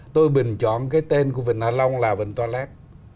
tôi bình chọn cái tên của bình hà long là bình toilet